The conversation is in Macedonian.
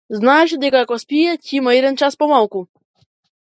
Знаеше дека ако спие, ќе има еден час помалку.